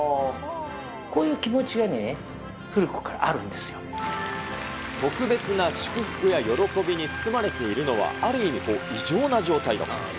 こういう気持ちがね、古くからあ特別な祝福や喜びに包まれているのはある意味、異常な状態とか。